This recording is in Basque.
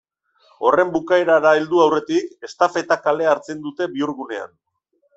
Horren bukaerara heldu aurretik, Estafeta kalea hartzen dute bihurgunean.